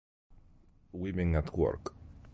Women at Work".